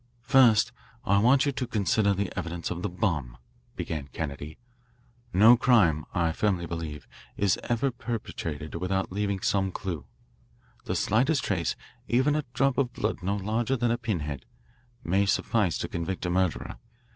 "First, I want you to consider the evidence of the bomb," began Kennedy. "No crime, I firmly believe, is ever perpetrated without leaving some clue. The slightest trace, even a drop of blood no larger than a pin head, may suffice to convict a murderer.